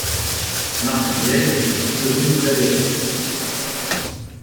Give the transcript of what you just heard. Marthe Niel est son pseudonyme d'aviatrice.